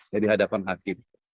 jadi hadapan hakim